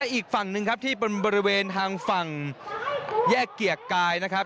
อีกฝั่งหนึ่งครับที่เป็นบริเวณทางฝั่งแยกเกียรติกายนะครับ